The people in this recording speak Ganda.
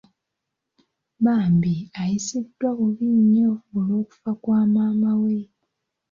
Bambi ayisiddwa bubi nnyo olw’okufa kwa maama we.